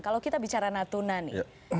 kalau kita bicara natuna nih